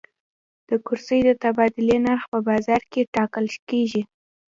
د کرنسۍ د تبادلې نرخ په بازار کې ټاکل کېږي.